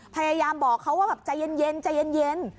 พยายามบอกเขาว่าแบบใจเย็น